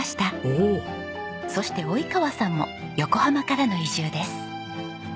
そして及川さんも横浜からの移住です。